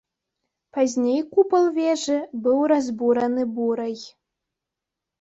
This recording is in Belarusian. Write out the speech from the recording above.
Пазней купал вежы быў разбураны бурай.